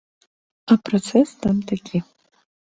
А працэс там такі.